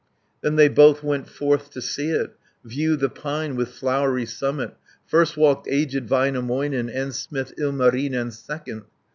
Then they both went forth to see it, View the pine with flowery summit, 130 First walked aged Väinämöinen, And smith Ilmarinen second.